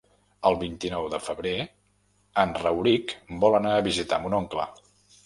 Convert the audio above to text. El vint-i-nou de febrer en Rauric vol anar a visitar mon oncle.